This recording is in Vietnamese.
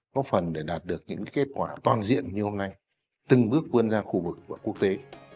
có phần để đạt được những kết quả toàn diện như hôm nay từng bước quân ra khu vực và quốc tế